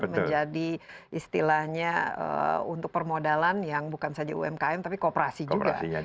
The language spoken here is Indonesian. menjadi istilahnya untuk permodalan yang bukan saja umkm tapi kooperasi juga